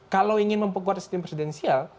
kalau ingin memperkuat sistem presidensial